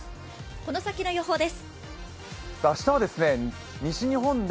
この先の予報です。